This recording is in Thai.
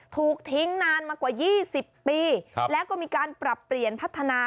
ถูกทิ้งนานมากว่า๒๐ปีแล้วก็มีการปรับเปลี่ยนพัฒนา